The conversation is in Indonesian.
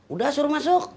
udah suruh masuk